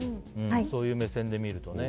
そういう目線で見るとね。